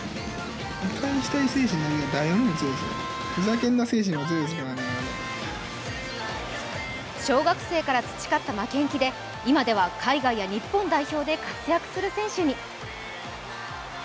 このとき誓ったのが小学生から培った負けん気で今や海外や日本代表で活躍する選手に。